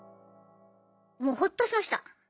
もうほっとしました。